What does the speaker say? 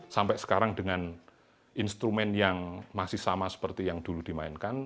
sampai sekarang dengan instrumen yang masih sama seperti yang dulu dimainkan